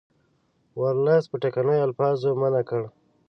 ورلسټ په ټینګو الفاظو منع کړ.